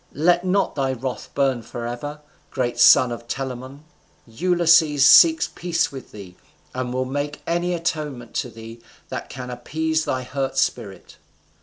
Let not thy wrath burn forever, great son of Telamon. Ulysses seeks peace with thee, and will make any atonement to thee that can appease thy hurt spirit."